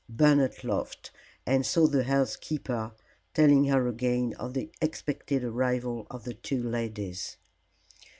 Bernard laughed, and saw the housekeeper, telling her again of the expected arrival of the two ladies.